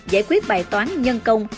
giải quyết bài toán nhân công